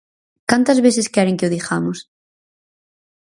¿Cantas veces queren que o digamos?